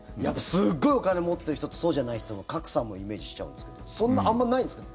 すっごいお金を持っている人とそうじゃない人の格差もイメージしちゃうんですけどそんなあまりないんですか？